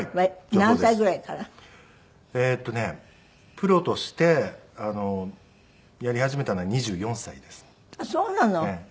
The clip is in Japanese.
プロとしてやり始めたのは２４歳ですね。